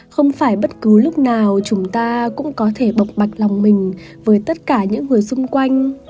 không phải bất cứ lúc nào chúng ta cũng có thể bộc bạch lòng mình với tất cả những người xung quanh